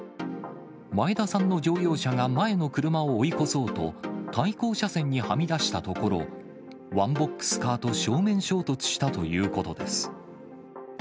前田さんの乗用車が前の車を追い越そうと、対向車線にはみ出したところ、ワンボックスカーと正面衝突したということです。